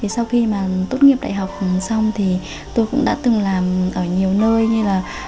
sau khi mà tốt nghiệp đại học xong thì tôi cũng đã từng làm ở nhiều nơi như là